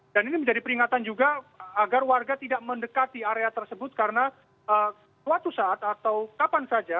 dan ini menjadi peringatan juga agar warga tidak mendekati area tersebut karena suatu saat atau kapan saja